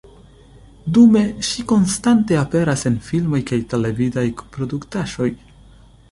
Dume ŝi konstante aperas en filmoj kaj televidaj produktaĵoj.